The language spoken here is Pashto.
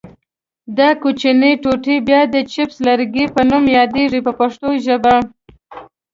دا کوچنۍ ټوټې بیا د چپس لرګي په نوم یادیږي په پښتو ژبه.